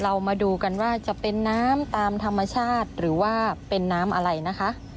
เรามาดูกันว่าจะเป็นน้ำตามธรรมชาติหรือว่าเป็นน้ำอะไรนะคะ